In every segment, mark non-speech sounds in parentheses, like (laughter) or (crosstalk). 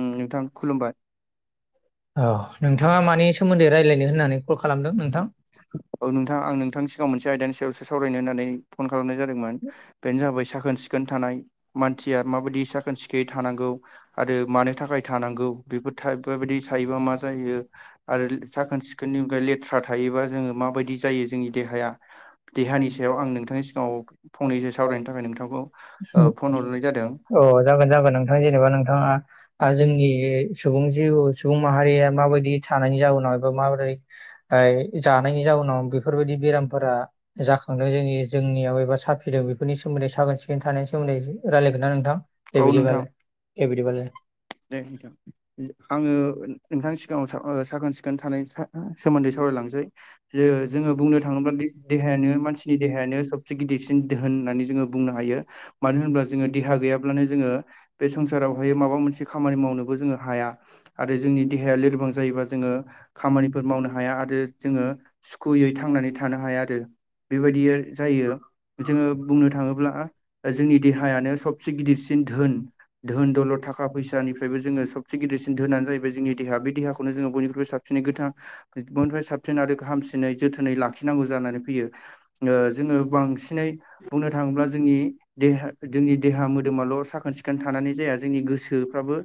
उम नोंथां खुलुमबाय। औ नोंथाङा मानि सोमोन्दै रायलायनो होननानै कल खालामदों नोंथां? औ नोंथां आं नोंथांनि सिगाङाव मोनसे आयदानि सायावसो सावरायनो होननानै फन खालामनाय जादोंमोन बेनो जाबाय साखोन सिखोन थानाय मानसिया माबायदि साखोन सिखोयै थानांगौ। आरो मानो थाखाय थानांगौ बेफोर था बेफोरबायदि थायोबा मा जायो आरो साखोन सिखोन बिनिफ्राय लेथ्रा थायोबा जोङो माबायदि जायो जोंनि देहाया देहानि सायाव आं नोंथांनि सिगाङाव फंनैसो सावरायनो थाखाय नोंथांखौ ओ अ जागोन जागोन नोंथां जेनेबा नोंथाङा आरो जोंनि सुबुं जिउ सुबुं माहारिया माबायदि थानायनि जाउनाव एबा माबोरै ओ जानायनि जाउनाव बेफोरबायदि बेरामफोरा जाखांदों जोंनि जोंनियाव एबा साफिदों बेफोरनि सोमोन्दै साखोन सिखोन थानायनि सोमोन्दै रायलायगोन ना नोंथां दे बिदिबालाय दे बिदिबालाय दे नोंथां आङो नोंथां सिगाङाव ओ साखोन सिखोन थानाय सोमोन्दै सावरायलांसै जे जोङो बुंनो थाङोब्ला दे देहायानो मानसिनि देहायानो सब एसे गिदिरसिन दोहोन होननानै जोङो बुंनो हायो मानो होनोब्ला जोङो देहा गैयाब्लानो जोङो बे संसारावहायो माबा मोनसे खामानि मावनोबो जोङो हाया आरो जोंनि देहाया लोरबां जायोबा जोङो खामानिफोर मावनो हाया आरो जोङो सुखुयै थांनानै थानो हाया आरो बेबायदि जायो। जोङो बुंनो थाङोब्ला जोंनि देहायानो सबसे गिदिरसिन धोन धोन दौलद' थाखा फैसा दानिफ्रायबो जोङो सबसे गिदिरसिन धोनानो जाहैबाय जोंनि देहा बे देहाखौनो जोङो बनिख्रुइ साबसिनै गोथां निफ्राय साबसिन आरो गाहामसिनै जोथोनै लाखिनांगौ जानानै फैयो ओ जोङो बांसिनै बुंनो थाङोब्ला जोंनि देहा जोंनि देहा मोदोमाल' साखोन सिखोन थानानै जाया जोंनि गोसो फ्राबो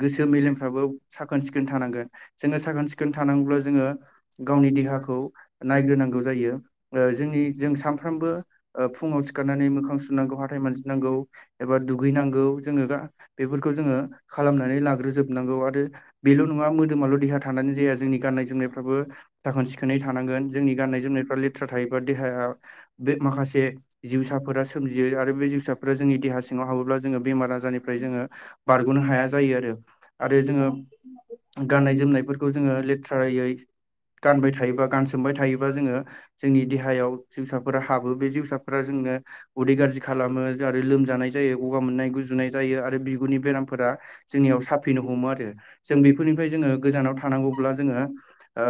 गोसो मेलेमफ्राबो साखोन सिखोन थानांगोन जोङो साखोन सिखोन थानांगौब्ला जोङो गावनि देहाखौ नायग्रोनांगौ जायो ओ जोंनि जों सानफ्रोमबो ओ फुङाव सिखारनानै मोखां सनांगौ हाथथाय मानजिनांगौ एबा दुगैनांगौ जोङो गा बेफोरखौ जोङो खालामनानै लाग्रोजोबनांगौ आरो बेल' नङा मोदोमाल' देहा थानानै जाया जोंनि गाननाय जोमनायफ्राबो बो साखोन-सिखोनै थानांगोन जोंनि गाननाय जोमनायफ्रा लेथ्रा थायोबा देहाया बे माखासे जिउसाफोरा सोमजियो आरो बे जिउसाफोरा जोंनि देहा सिङाव हाबोब्ला जोङो बेमार आजारनिफ्राय जोङो बारग'नो हाया जायो आरो आरो जोङो गाननाय जोमनायफोरखौ जोङो लेथ्रायै गानबाय थायोबा गानसोमबाय थायोबा जोङो जोंनि देहायाव जिउसाफोरा हाबो बे जिउसा फोरा जोंनो उदै गाज्रि खालामो आरो लोमजानाय जायो गगा मोननाय गुजुनाय जायो आरो बिगुरनि बेराम फोरा जोंनियाव साफिनो हमो आरो जों बेफोरनिफ्राय जोङो गोजानाव थानांगौब्ला जोङो ओ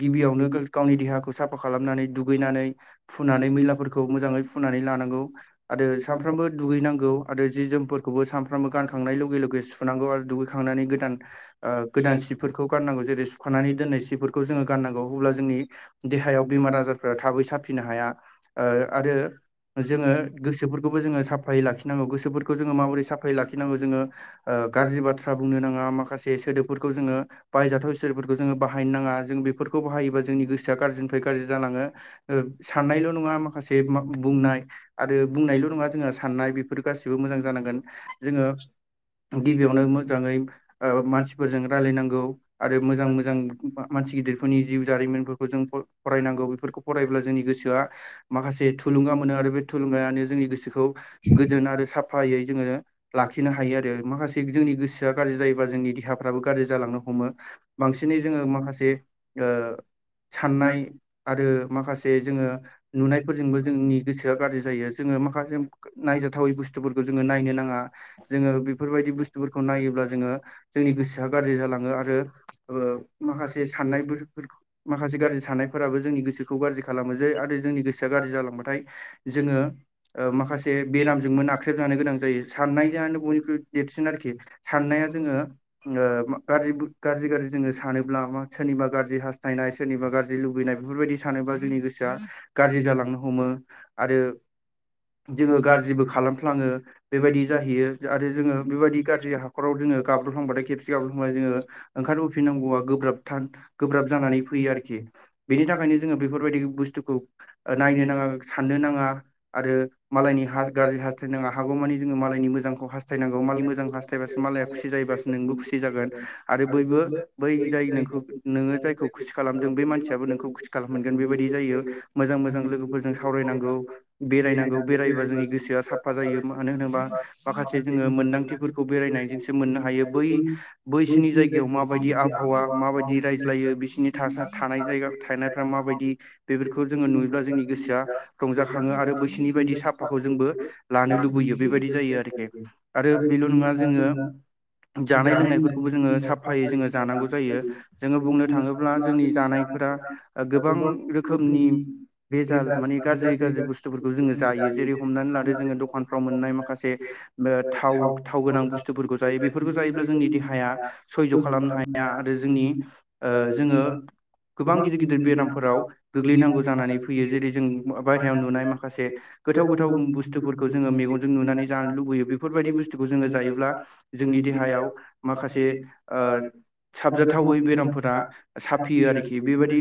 गिबियावनो गावनि देहाखौ साफा खालामनानै दुगैनानै फुनानै मैलाफोरखौ मोजाङै फुनानै लांगौ आरो सानफ्रामबो दुगैनांगौ आरो जि जोमफोरखौबो सानफ्रबो गानखांनाय लगे लगे सुनांगौ आरो दुगैखांनानै गोदान ओ गोदान सिफोरखौ गारनांगौ जेरै सुखानानै दोननाय सिफोरखौ खौ जोङो गाननांगौ अब्ला जोंनि देहायाव बेमार आजारफोरा थाबै साफिनो हाया ओ आरो जोङो गोसोफोरखौबो जोङो साफायै लाखिनांगौ गोसोफोरखौ जोङो माबोरै साफायै लाखिनांगौ जोङो ओ गाज्रि बाथ्रा बुंनो नाङा माखासे सोदोबफोरखौ जोङो बायजाथाव सदोबफोरखौ जोङो बाहाय हायनो जों बेफोरखौ बायोबा जोंनि गोसोआ गनि ग जालाङो ओ साननायल' नङा मा माखासे बुंनाय आरो बुंनायल' नङा जोंहा साननाय बेफोर गासिबो मोजां जानांगोन जोङो गिबियावनो मोजाङै मानसिफोरजों रायलायनांगौ आरो मोजां मोजां मानसि गिदिरफोरनि जिउ जारिमिनफोरखौ जों फरायनांगौ बेफोरखौ फरायब्ला जोंनि गोसोआ माखासे थुलुंगा मोनो आरो बे थुलुंगायानो जोंनि गोसोखौ गोजोन आरो साफायै जोङो लाखिनो हायो आरो माखासे जोंनि गोसोआ गाज्रि जायोबा जोंनि देहाफ्राबो गाज्रि जालांनो हमो बांसिनै जोङो माखासे ओ साननाय आरो माखासे जोङो नुनायफोरजोंबो जोंनि गोसोआ गाज्रि जायो। जोङो माखासे नायजाथावै बुस्थुफोरखौ जोङो नायनो नाङा जोङो बेफोरबायदि बुस्थुफोरखौ नायोब्ला जोङो जोंनि गोसोआ गाज्रि जालाङो आरो माखासे साननाय माखासे गाज्रि साननायफोराबो जोंनि गोसोखौ गाज्रि खालामोसै आरो जोंनि गोसोआ गाज्रि जालांबाय नाथाय जोङो माखासे बेरामजोंनो नाख्रेबजानो गोनां जायो साननाय जानो बयनिख्रुइ देरसिन आरोखि साननाया जोङो ओ गाज्रि गाज्रि जोङो सानो ओ सोरनिबा गाज्रि हास्थायनाय सोरनिबा गाज्रि लुबैनाय बेफोरबायदि सानोबा जोंनि गोसोआ गाज्रि जालांनो हमो आरो जोङो गाज्रिबो खालामफ्लाङो बेबायदि जाहैयो आरो जोङो बेबायदि गाज्रि हाखराव जोङो गाब्रफ्लांबाथाय खेबसे गाब्रफ्लांबा जोङो ओंखारबोफिनांगौ गोब्राबथार गोब्राब जानानै फैयो आरोखि बेनि थाखायनो जोङो बेफोरबायदि बुस्थुखौ ओ नायनो नाङा साननो नाङा आरो मालायनि गाज्रि हास्थायनो नाङा हागौमानि जोङो मालायनि मोजां खौ हास्थायनांगौ मालाय मोजां हास्थायबासो मालाया खुसि जायोबासो नोंबो खुसि जागोन आरो बयबो बै जाय नोंखौ नोङो जायखौ खुसि खालामदों बे मानसियाबो नोंखौ खुसि खालाम मोनगोन बेबायदि जायो। मोजां मोजां लोगोफोरजों सावरायनांगौ बेरायनांगौ बेरायबा जोंनि गोसोआ साफा जायो मानो होनोबा माखासे जोङो मोनदांथिफोरखौ बेरायनायजोंसो मोननो हायो बै बैसिनि जायगायाव माबायदि आब हावा माबायदि रायज्लायो बिसोरनि थानाय जायगा थानायफ्रा माबायदि बेफोरखौ जोङो नुयोब्ला जोंनि गोसोआ रंजाखङो आरो बैसोनि बायदि साफाखौ जोंबो लानो लुबैयो बेबायदि जायो आरोखि बेल' नङा जोङो जानाय लोंनायफोरखौबो जोङो साफायो जोङो जानांगौ जायो जोङो बुंनो थाङोब्ला जोंनि जानायफोरा ओ गोबां रोखोमनि बेजाल माने गाज्रि गाज्रि बुस्थुफोरखौ जोङो जायो जेरै हमनानै लादो जोङो दखानफ्राव मोननाय माखासे ओ थाव थाव गोनां बुस्थुफोरखौ जायो बेफोरखौ जायोब्ला जोंनि देहाया सयज' खालामनो हायो। या आरो जोंनि जोङो गोबां गिदिर गिदिर बेरामफोराव गोग्लैनांगौ जानानै फैयो जेरै जों बायेरायाव नुनाय माखासे गोथाव गोथाव बुस्थुफोरखौ जोङो मेगंजों नुनानै जानो लुुबैयो बेफोरबायदि बुस्थु खौ जोङो जायोब्ला जोंनि देहायाव माखासे ओ साबजाथावै बेरामफोरा साफियो आरोखि बेबायदि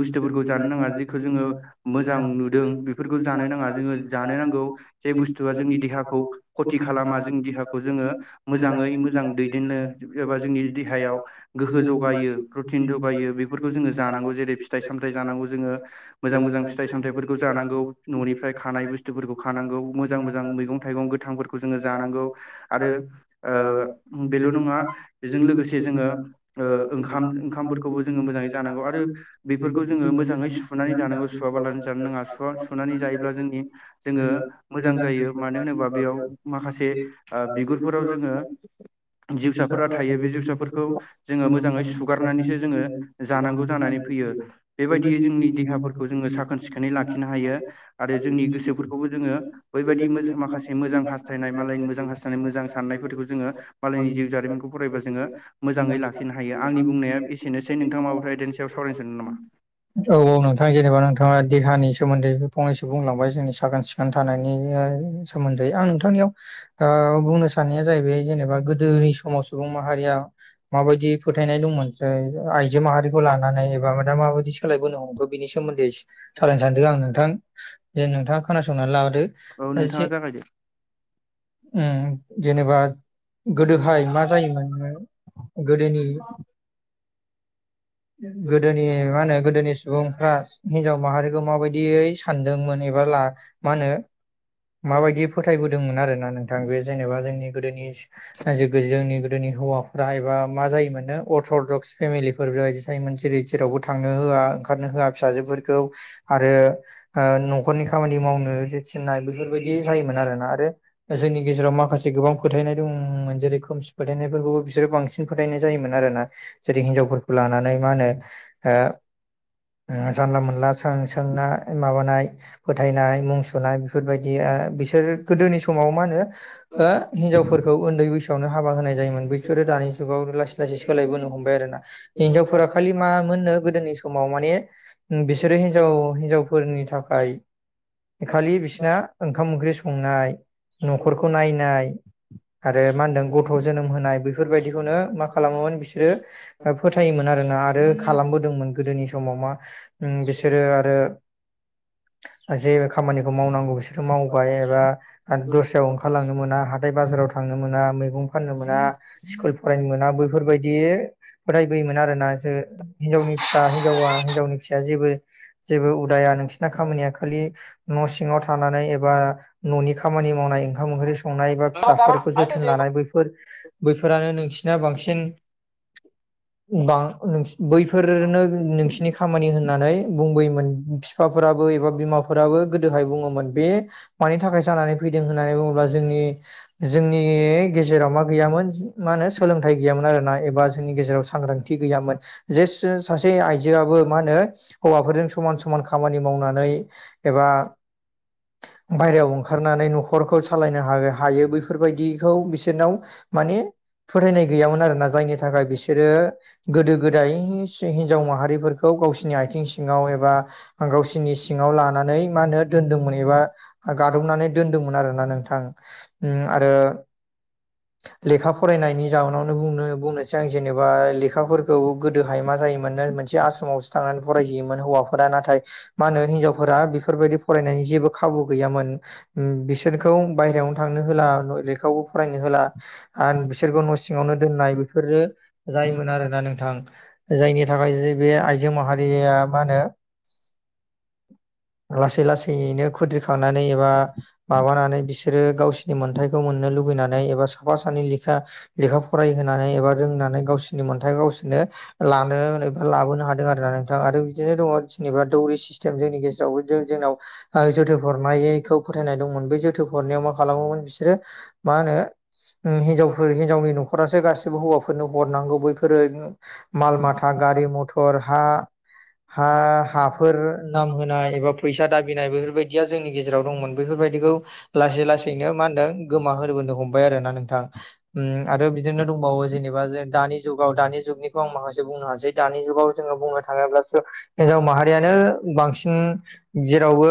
बुस्थुफोरखौ जानो नाङा जेखौ जोङो मोजां नुदों बेफोरखौ जानो नाङा जोङो जानो नांगौ जाय बुस्थुआ जोंनि देहाखौ खथि खालामा जोंनि देहाखौ जोङो मोजाङै मोजां दैदेननो एबा जोंनि दे गोहो जगायो प्रटिन जगायो बेफोरखौ जोङो जानांगौ जेरै फिथाइ सामथाइ जानांगौ जोङो। मोजां मोजां फिथाइ सामथाइफोरखौ जानांगौ न'निफ्राय खानाय बुस्थुफोरखौ खानांगौ मोजां मोजां मैगं थाइगं गो गोथांफोरखौ जोङो जानांगौ आरो बेल' नङा बेजों लोगोसे जोङो ओ ज मांग आरो बेफोरखौ जो मोै सुनानै जानांगौ सुवाबा लानानै जानो नाङा सुवा सुनानै जायोब्ला जोंनि जोङो। मोजां जायो मानो होनोबा बेयाव माखा बिगुरफोराव जोङो जिउसाफोरा थायो बेउसा खौ जोङो मोजाङै सुगारनानैसो जोङो जानांगौ जानानै फैयो। बेबायदियै जोंनि देहाफोरखौ जोङो साखोन सिखोनै लाखिनो हायो आरो जोंनि गोसोफोरखौबो जोङो बेबायदि माखासे मोजां हास्थाय नाय मालनि मोजां हास मोज साननायफोरखौ जोङो मालायनि जिउ जारिमिनखौ फरायबा जोङो मोजाङै लाखिनो हायो आंनि बुंनाया एसेनोसै नोंथाङ माबाफोर आयदानि सायाव सावरायनो सानो नामा? औ औ ना? नोंथ जेनबा नोंथाङा देहानि सोमोन्दै बे फंनैसो बुंलांबाय जोंनि साखोन सिखोन थानायनि सोमोन्दै आं नोंथांनियाव बुंनो साना जाहैबाय जेनेबा गोदोनि समाव सुबुं माहारिया माबायदि फोथायनाय दंमोनस आइजो माहारिखौ लानानै एबा दा माबायदि सोलायबोनो बिनि सोमोनदै सालायनो सानदों आं नोंथां जे नोंथाङा खोनासंनानै लाबोदो जे जेनेबा गोदोहाय मा जायोमोन। गोदोनि गोदोनि मा होनो गोदोनि सुबुंफ्रा हिनजाव माहारिखौ माबायदियै सानदोंमोन एबा मा होनो। माबायदि फोथायबो दोंमोन आरोना नोंथां बे जेनेबा जोंनि गोदोनि जोंनि गोदोनि हौवा ब एबा मा जायोमोनो अर्थ'डक्स फेमिलिफोर बेबायदि थायोमोन जेरै जेरावबो थांनो होआ ओंखारनो होआ फिसाजोफोरखौ आरो न'खरनि खामानि मावनो ज थिन्नाय बेफोरबायदि जायोमोन आरोना आरो जोंनि गेजेराव माखासे गोबां फोथायनाय दंमोन जेरै खोमसि फोथायनायफोरखौबो बिसोरो बांसिन फोथायनाय जायोमोन आरोना जेरै हिनजावफोरखौ लानानै मा होनो जानला मोनला सों सोंनाय माबानाय फोथायनाय मुं सुनाय बेफोरबायदि आरो बिसोर गोदोनि समाव मा होनो हिनजावफोरखौ उन्दै बैसो सिसावनो हाबा होनायोमोन बैफोरोरो दानि जुगाव लासै लासै सोलायबोनो हमबाय आरो ना हिनजावफोरा खालि माोननो गोदोनि समाव माने बिसोरो हिनजाव हिनजाव फोरनि थाखाय खालि बिसना ओंखाम ओंख्रि संनाय न'खरखौ नायनाय आरो मा होनदों गथ' जोनोम होनाय बेफोरबायदिखौनो मा खालामोमोन बिसोरो फोथायोमोन आरोना आरो खालामबोदोंमोन गोदोनि समाव मा बिसोरो आरो जे खामानिखौ मावनांगौ बिसोरो मावबाय एबा दस्रायाव ओंखारलांनो मोना। नाथाय बाजाराव थांनो मोना मैगं फाननो मोना स्कुल फरायनो मोना बैफोरबायदि फोथायबोयोमोन आरोना ज हिनजावनि फिसा हिनजावा हिनजावनि फिसाया जेबो जेबो दाया नोंसिना खामानिया खालि न' सिङाव थानानै एबा न'नि खामानि मावनाय ओंखाम ओंख्रि संनाय बा फिसाफोरखौ जोथोन लानाय बैफोर बैफोरानो नोंसिना बांसिन बै फोरनो नोंसिनि खामानि होननानै बुंबोयोमोन बिफाफोराबो एबा बिमाफोराबो गोदोहाय बुङोमोन बे मानि थाखाय जानानै फैदों होननानै बुङोब्ला जोंनि जोंनि गेजेराव मा गैयामोन मा होनो सोलोंथाइ गैयामोन आरोना एबा जोंनि गेजेराव सांग्रांथि गैयामोन जे सासे आइजोआबो मा होनो हौवाफोरजों समान समान खामानि मावनानै एबा बायेरायाव ओंखारनानै न'खरखौ सालायनो हा- हायो बैफोरबायदिखौ बिसोरनाव माने फोथायनाय गैयामोन आरोना जायनि थाखाय बिसोर बिसोरो गोदो गोदाय हिनजाव माहारिफोरखौ गावसिोरनि आथिं सिङाव एबा गावसोरनि सिङाव लानानै मा होनो दोनदोंमोन एबा गादबनानै दोनदोंमोन आरोोना नोंथां आरो लेखा फरायनायनि जाउोनावनो बुंनो बुंनोसै आं जेनेबा लेखाफोरखौ गोदोहाय मा जायोमोननो मोनसे आस्रमाव थांनानै फरायहैयोमोन हौवाफोरा नाथाय मा होनो हिनजावफोरा बेफोरबायाददि फरायनायनि जेबो खाबु गैयामोन बिसोर बिसोरखौ बाहहेरायावनो थांनो होला लेखायावबो फरायनो होला आरो बिसोरखौ न' सिङावनो दोननाय बेफोरो जायोमोन आरोना नोंथां जायनि थाखाये बे आइजो माहारिया मा होनो लासै लासैनो खुद्रिखांनानै एबा माबानानै बिसोरो गावसिोरनि मोन्थथायखौ मोननो लुबैनानै एबा साफा सानै लेखा लेखा फरायहोनानै एबा रोंनानै गावसोरनि मोन्थाया गावसोरनो लानो ओनो लाबोनो हादों आरोना नोंथां आरो बिदिनो दङ जेनेबा दौरि सिस्टेम जोंनि गेजेरावबो जों जोंनाव आरो जोथोब हरनायैखौ फोथायनाय दंमोन बै जोथोब हरनायाव मा खालामोमोन बिसोरो मा होनो हिनजावफोर हिनजावनि न'खरासो गासिबो हौवाफोरनो हरनांगौ बैफोरो माल माथा गारि मथर हा हा हाफोर नाम होनाय एबा फैसा दाबिनाय बेफोरबायदिया जोंनि गेजेराव दंमोन बैफोरबायदिखौ लासै लासैनो मा होनदों गोमाहोरबोनो हमबाय आरोना नोंथां। उम आरो बिदिनो दंबावो जेनेबा जोन दानि जुगाव दानि जुगनिखौ आं माखासे बुंनो हासै दानि जुगाव जोङो बुंनो थाङोब्लासो हिनजाव माहारियानो बांसिन जेरावबो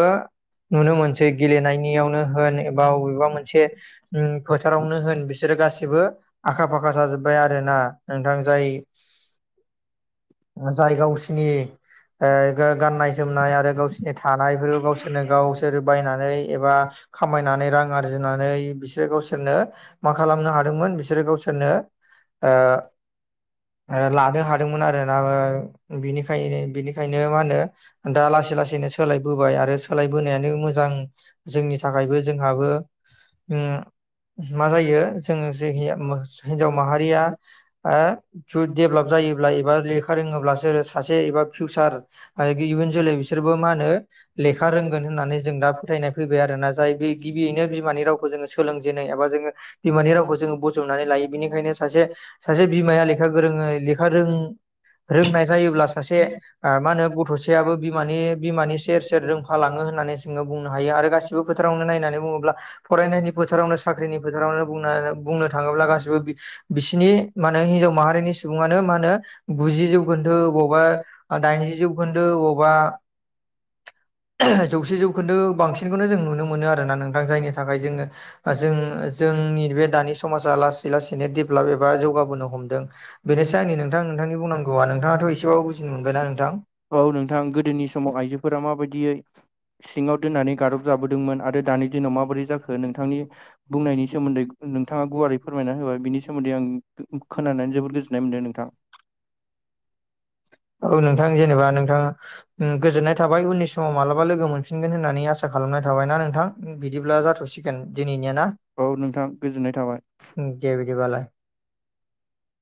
नुनो मोनसै। गेलेनायनियावनो होन एबा अबेबा मोनसे उम फोथारावनो होन बिसोरो गासिबो आखा फाखा जाजोब बाय आरोना नोंथां जाय जाय गावसिनि ओ गा-गाननाय जोमनाय आरो गावसिनि थानायफोर गावसोरनो गावसोर बायनानै एबा खामायनानै रां आरजिनानै बिसोर गावसोरनो मा खालामनो हादोंमोन बिसोरो गावसोरनो ओ ओ लानो हादोंमोन आरोना बिनिखायनो बिनिखायनो मा होनो दा लासै लासैनो सोलायबोबाय आरो सोलायबोनायानो मोजां जोंनि थाखायबो जोंहाबो उम मा जायो जों जे (unintelligible) हिनजाव माहारिया आ जु डेभ्लाप जायोब्ला एबा लेखा रोङोब्लासो सासे एबा फिउचार आरो इयुन जोलै बिसोरबो मा होनो लेखा रोंगोन होननानै जों दा फोथायनाय फैबाय आरोना जाय बै गिबियैनो बिमानि रावखौ जोङो सोलों नाय एबा जोङो बिमानि रावखौ जोङो बजबनानै लायो बिनिखायनो सासे सासे बिमाया लेखा गोरोङै लेखा रों रोंनाय जायोब्ला सासे ओ माहोनो गथ'सायाबो बिमानि बिमानि सेर सेर रोंफालाङो होननानै जोङो बुंनो हायो आरो गासिबो फोथारावनो नायनानै बुङोब्ला फरायनायनि फोथारावनो साख्रिनि फोथारावनो बुंना बुंनो थाङोब्ला गासिबो बि बिसिनि मा होनो हिनजाव माहारिनि सुबुङानो मा होनो गुजि जौखोन्दो बबावबा दाइनजि जौखोन्दो अबावबा जौसे जौखोन्दो बांसिनखौनो जों नुनो मोनो आरोना नोंथां जायनि थाखाय जोङो जों जोंनि बे दानि समाजा लासै लासैनो डेभेलप एबा जौगाबोनो हमदों। बेनोसै आंनि नोंथां नोंथांनि बुंनांगौ नथाङाथ' एसेबाबो बुजिनो मोनबायना नोंथां? औ नोंथां गोदोनि समाव आइजोफोरा माबायदियै सिङाव दोननानै गादब जाबोदोंमोन आरो दानि दिनाव माबोरै जाखो नोंथांनि बुंनायनि सोमोन्दै नोंथाङा गुवारै फोरमायना होबाय बिनि सोमोन्दै आं खोनानानै जोबोद गोजोननाय मोनदों नोंथां। औ नोंथां जेनेबा नोंथां उम गोजोन्नाय थाबाय उननि समाव मालाबा लोगो मोनफिनगोन होननानै आसा खालामनाय थाबायना नोंथां। उम बिदिब्ला जाथ'सिगोन दिनैनिया ना दे बिदिबालाय।